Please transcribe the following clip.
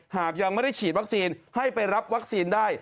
หากยังไม่ได้ฉีดวัคซีนให้ไปรับวัคซีนได้